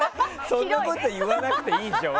そんなこと言わなくていいじゃん。